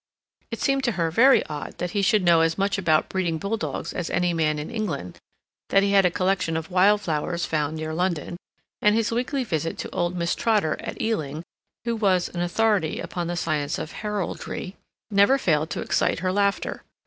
It seemed to her very odd that he should know as much about breeding bulldogs as any man in England; that he had a collection of wild flowers found near London; and his weekly visit to old Miss Trotter at Ealing, who was an authority upon the science of Heraldry, never failed to excite her laughter.